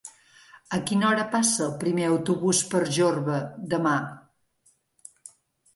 A quina hora passa el primer autobús per Jorba demà?